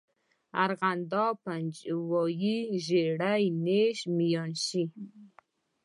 ارغنداب، پنجوائی، ژړی، نیش، میانشین.